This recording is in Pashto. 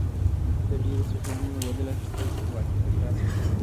د ډیرو سرښندنو په بدله کې خپلواکي تر لاسه کړه.